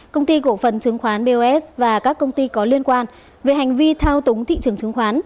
công ty cổ phần chứng khoán bos và các công ty có liên quan về hành vi thao túng thị trường chứng khoán